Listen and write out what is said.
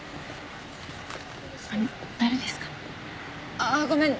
あっごめん。